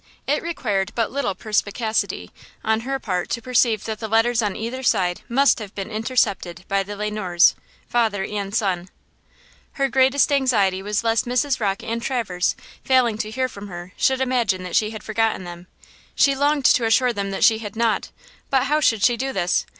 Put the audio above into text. it required but little perspicacity on her part to perceive that the letters on either side must have been intercepted by the Le Noirs–father and son. Her greatest anxiety was lest Mrs. Rocke and Traverse, failing to hear from her, should imagine that she had forgotten them. She longed to assure them that she had not; but how should she do this?